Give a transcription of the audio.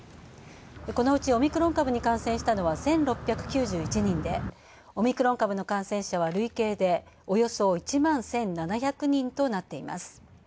このうちオミクロン株に感染したのは１６９１人でオミクロン株の感染者は累計でおよそ１万１７００人となっています。